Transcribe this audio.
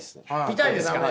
見たいですか？